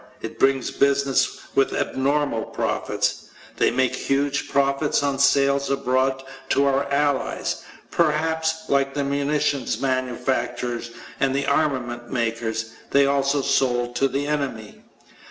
It brings business with abnormal profits. They made huge profits on sales abroad to our allies. Perhaps, like the munitions manufacturers and armament makers, they also sold to the enemy.